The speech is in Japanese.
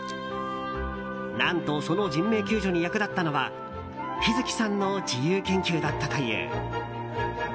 何と、その人命救助に役立ったのは陽月さんの自由研究だったという。